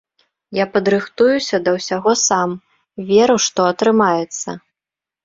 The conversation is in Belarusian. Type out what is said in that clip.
Я падрыхтуюся да ўсяго сам, веру, што атрымаецца.